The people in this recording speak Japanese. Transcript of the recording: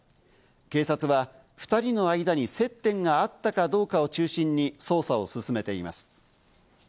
警察は２人の間に接点があったかどうかを中心に捜査を進めています。